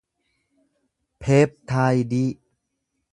peeptaayidii